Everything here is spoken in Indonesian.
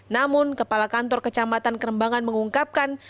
namun kepala kantor kecamatan kerembangan mengungkapkan